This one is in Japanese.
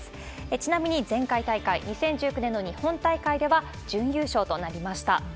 ちなみに前回大会、２０１９年の日本大会では準優勝となりました。